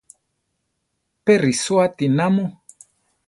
¿Pé risoáti namu?